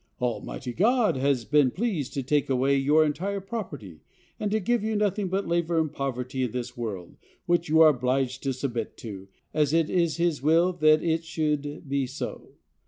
"Almighty God has been pleased to take away your entire property, and to give you nothing but labor and poverty in this world, which you are obliged to submit to, as it is his will that it should be so.